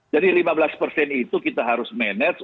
jadi lima belas itu kita harus manage